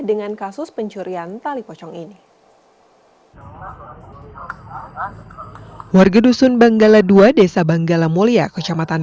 dengan kasus pencurian tali pocong ini warga dusun banggala ii desa banggala mulia kecamatan